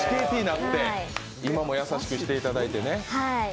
今も優しくしていただいてね。